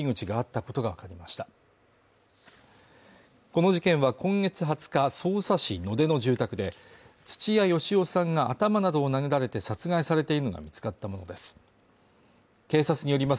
この事件は今月２０日匝瑳市野手の住宅で土屋好男さんが頭などを殴られて殺害されているのが見つかったものです